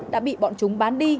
đã bị bọn chúng bán đi